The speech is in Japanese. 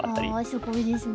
すごいですね。